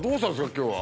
今日は。